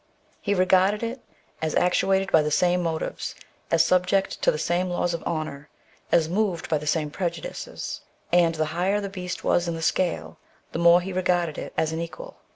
He regarded it as actuated by the same motives, as subject to the same laws of honour, as moved by the same prejudices, and 156 THE BOOK OF WERE WOLVES. the higher the heast was in the scale, the more he regarded it as an equal.